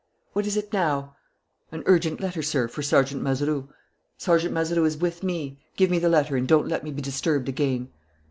"What is it now?" "An urgent letter, sir, for Sergeant Mazeroux." "Sergeant Mazeroux is with me. Give me the letter and don't let me be disturbed again."